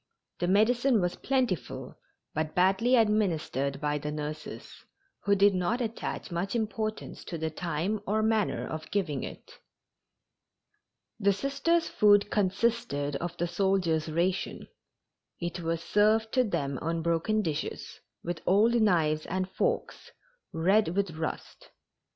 The medicine was plentiful, but badly administered by the nurses, who did not attach much importance to the time or manner of giving it. The Sisters' food consisted of the soldiers' ration. It was served to them on broken dishes, with old knives and forks, red with rust.